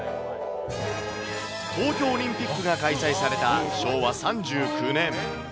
東京オリンピックが開催された昭和３９年。